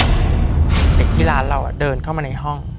เด็กที่ร้านเราเดินเข้ามาในห้อง